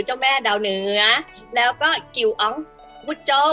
เจ้าแม่ดาวเหนือแล้วก็กิวอองบุโจ